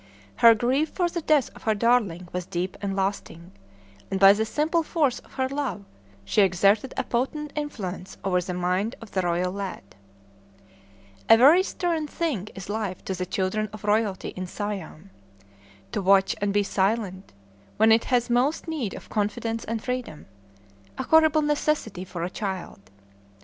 Her grief for the death of her darling was deep and lasting, and by the simple force of her love she exerted a potent influence over the mind of the royal lad. [Illustration: THE HEIR APPARENT.] A very stern thing is life to the children of royalty in Siam. To watch and be silent, when it has most need of confidence and freedom, a horrible necessity for a child!